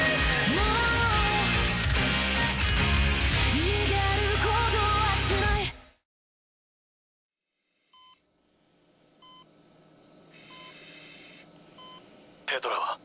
もう逃げることはしないピッピッペトラは？